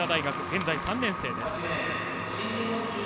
現在３年生です。